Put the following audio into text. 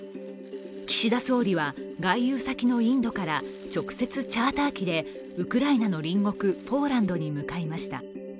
岸田総理は、外遊先のインドから直接チャーター機で、ウクライナの隣国ポーランドに向かいました。